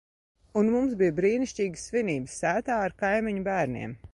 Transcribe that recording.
Un mums bija brīnišķīgas svinības sētā ar kaimiņu bērniem.